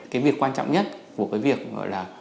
cái việc quan trọng nhất của cái việc gọi là